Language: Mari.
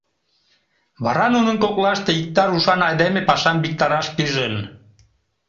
Вара нунын коклаште иктаж ушан айдеме пашам виктараш пижын.